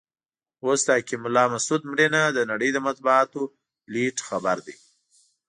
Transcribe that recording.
اوس د حکیم الله مسود مړینه د نړۍ د مطبوعاتو لیډ خبر دی.